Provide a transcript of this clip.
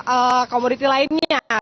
eh komoditi lainnya